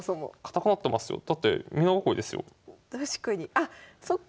あっそっか